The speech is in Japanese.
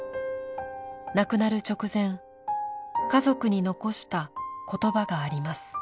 亡くなる直前家族に残した言葉があります。